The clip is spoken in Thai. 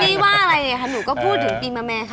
พี่ว่าอะไรเนี่ยค่ะหนูก็พูดถึงปีมะแม่ค่ะ